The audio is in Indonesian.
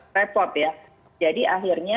repot ya jadi akhirnya